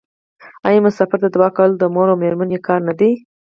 آیا مسافر ته دعا کول د مور او میرمنې کار نه دی؟